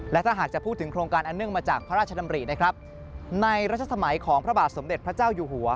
และถ้าหากจะพูดถึงโครงการอันเนื่องมาจากพระราชดำรินะครับในรัชสมัยของพระบาทสมเด็จพระเจ้าอยู่หัว